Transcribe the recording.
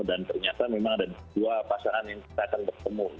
dan ternyata memang ada dua pasangan yang kita akan ketemu